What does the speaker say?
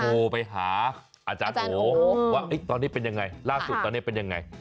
โทรไปหาอาจารย์โอว่าตอนนี้เป็นยังไงล่าสุดตอนนี้เป็นยังไง